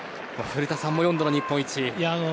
古田さんも４度の日本一。